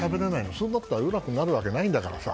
それだったらうまくなるわけがないんだからさ。